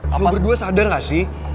kamu berdua sadar gak sih